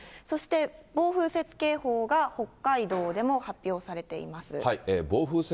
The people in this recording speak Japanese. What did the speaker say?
そして暴風雪警報が北海道でも発表されています。